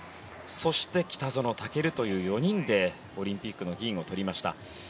そして、北園丈琉という４人でオリンピックの銀を取りました。